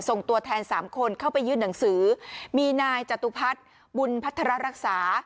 ตัวแทนสามคนเข้าไปยื่นหนังสือมีนายจตุพัฒน์บุญพัฒนารักษา